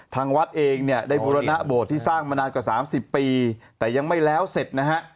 ทางวัดเองเนี่ยได้บุรณะโบสถที่สร้างมานานกว่า๓๐ปีแต่ยังไม่แล้วเสร็จนะฮะ